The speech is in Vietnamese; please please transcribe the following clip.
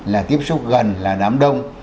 là tiếp xúc gần là đám đông